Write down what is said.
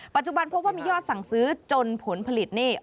ปัจจุบันพบว่ามียอดสั่งซื้อจนผลผลิตนี่